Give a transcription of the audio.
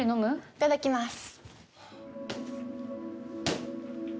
いただきます。